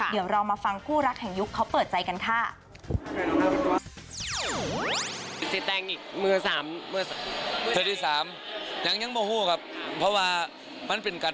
เดี๋ยวเรามาฟังคู่รักแห่งยุคเขาเปิดใจกันค่ะ